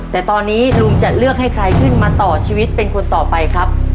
แต่ตอนนี้ลุงจะเลือกให้ใครขึ้นมาต่อชีวิตเป็นคนต่อไปครับ